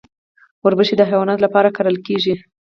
وربشې د حیواناتو لپاره کرل کیږي.